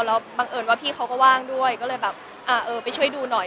แล้วบังเอิญว่าพี่เขาก็ว่างด้วยก็เลยแบบเออไปช่วยดูหน่อย